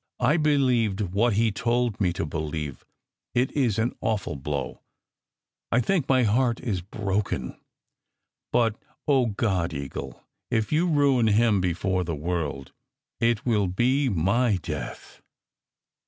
I believed what he told me to believe. It is an awful blow ! 312 SECRET HISTORY I think my heart is broken. But, oh, God, Eagle, if you ruin him before the world it will be my death